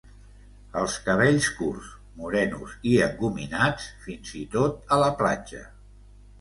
Els cabells curts, morenos i engominats, fins i tot a la platja.